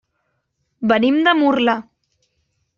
Venim de Murla.